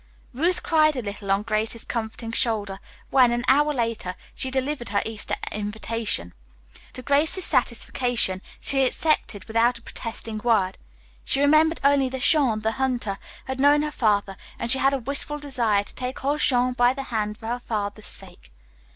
Ruth cried a little on Grace's comforting shoulder when, an hour later, she delivered her Easter invitation. To Grace's satisfaction, she accepted without a protesting word. She remembered only that Jean, the hunter, had known her father and she had a wistful desire to take old Jean by the hand for her father's sake.